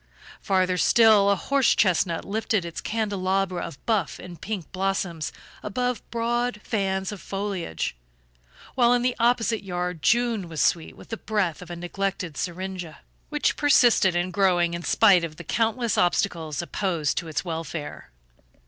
Farther still, a horse chestnut lifted its candelabra of buff and pink blossoms above broad fans of foliage; while in the opposite yard June was sweet with the breath of a neglected syringa, which persisted in growing in spite of the countless obstacles opposed to its welfare.